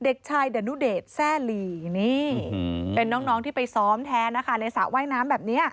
เด็กชายดานุเดชแซ่หลีนี่เป็นน้องที่ไปซ้อมแทนนะคะในสระว่ายน้ำแบบนี้